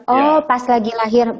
oh pas lagi lahir